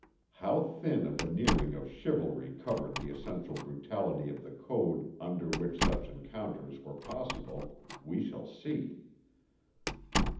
How thin a veneering of "chivalry" covered the essential brutality of the code under which such encounters were possible we shall see.